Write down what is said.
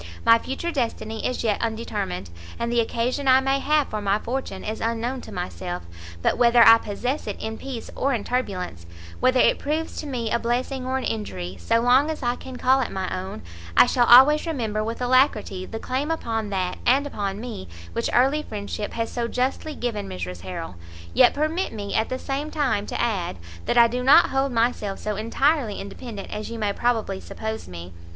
My future destiny is yet undetermined, and the occasion I may have for my fortune is unknown to myself; but whether I possess it in peace or in turbulence, whether it proves to me a blessing or an injury, so long as I can call it my own, I shall always remember with alacrity the claim upon that and upon me which early friendship has so justly given Mrs Harrel. Yet permit me, at the same time, to add, that I do not hold myself so entirely independent as you may probably suppose me.